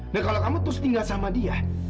dan kalau kamu terus tinggal sama dia